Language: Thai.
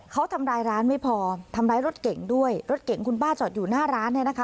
เขาทำร้ายร้านไม่พอทำร้ายรถเก่งด้วยรถเก่งคุณป้าจอดอยู่หน้าร้านเนี่ยนะคะ